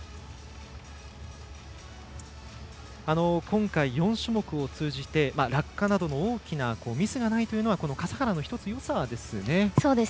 今回４種目を通じて落下などの大きなミスがないというのは笠原の１つのよさですよね。